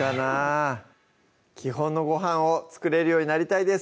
基本のご飯を作れるようになりたいです